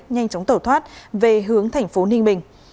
nhanh chóng tẩu thoát về hướng thành phố ninh bình